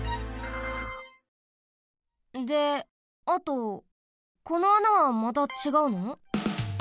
であとこの穴はまたちがうの？